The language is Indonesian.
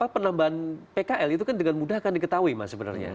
penambahan pkl itu kan dengan mudah akan diketahui mas sebenarnya